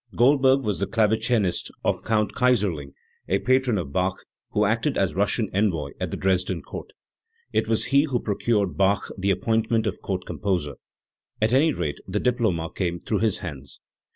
Goldberg was the clave cinist of Count Kayserling, a patron of Bach, who acted as Russian envoy at the Dresden Court. It was he who procured Bach the appointment of Court Composer; at any rate the diploma came through his hands.